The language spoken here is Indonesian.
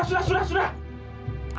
sudah sudah sudah